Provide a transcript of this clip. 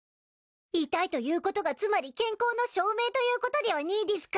痛いということがつまり健康の証明ということでぃはねいでぃすか？